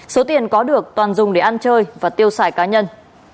số tiền có được toàn dùng để ăn chơi và tiêu xài cá nhân